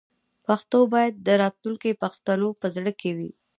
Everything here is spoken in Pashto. پښتو باید د راتلونکي پښتنو په زړه کې وي.